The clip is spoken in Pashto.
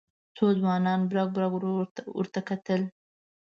څو ځوانانو برګ برګ ورته کتل.